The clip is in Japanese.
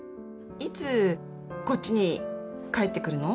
いつこっちに帰ってくるの？